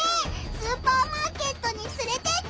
スーパーマーケットにつれてってくれ！